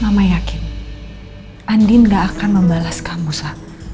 mama yakin andin gak akan membalas kamu sa